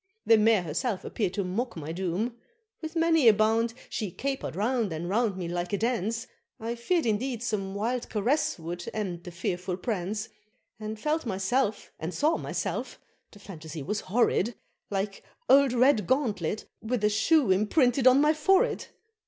the Mare herself appeared to mock my doom; With many a bound she caper'd round and round me like a dance, I feared indeed some wild caress would end the fearful prance, And felt myself, and saw myself the phantasy was horrid! Like old Redgauntlet, with a shoe imprinted on my forehead!